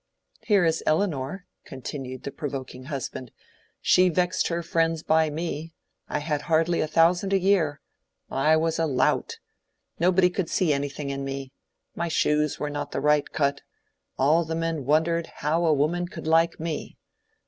Here is Elinor," continued the provoking husband; "she vexed her friends by me: I had hardly a thousand a year—I was a lout—nobody could see anything in me—my shoes were not the right cut—all the men wondered how a woman could like me.